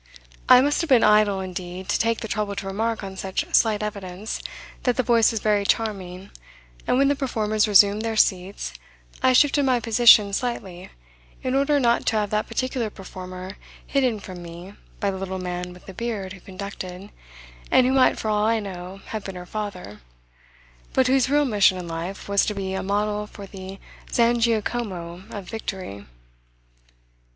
I must have been idle indeed to take the trouble to remark on such slight evidence that the voice was very charming and when the performers resumed their seats I shifted my position slightly in order not to have that particular performer hidden from me by the little man with the beard who conducted, and who might for all I know have been her father, but whose real mission in life was to be a model for the Zangiacomo of Victory.